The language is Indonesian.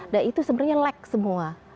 nah itu sebenarnya lag semua